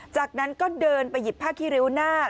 จากนั้นก็เดินไปหยิบผ้าคิริน่า